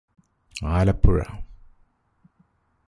Alappuzha